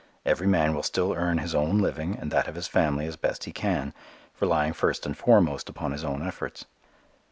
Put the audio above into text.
Every man will still earn his own living and that of his family as best he can, relying first and foremost upon his own efforts.